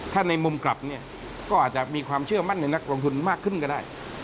ถ้าในมุมกลับเนี่ยก็อาจจะมีความเชื่อมั่นในนักลงทุนมากขึ้นก็ได้